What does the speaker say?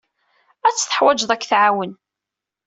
Ad tt-teḥwijeḍ ad k-tɛawen.